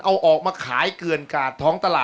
เอาออกมาขายเกือนกาดท้องตลาด